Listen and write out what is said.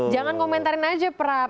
jangan komentarin aja prap